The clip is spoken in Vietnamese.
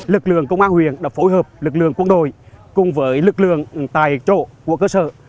lực lượng công an huyền đã phối hợp lực lượng quân đội cùng với lực lượng tại chỗ của cơ sở